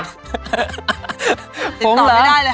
ติดต่อไม่ได้เลยหาเวลา